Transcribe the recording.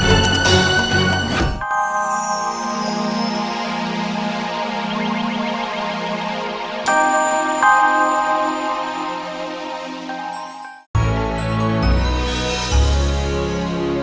untuk menghindar rakyat